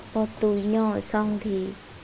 có túi nhỏ xong thì